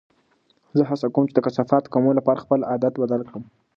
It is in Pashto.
زه هڅه کوم چې د کثافاتو کمولو لپاره خپل عادت بدل کړم.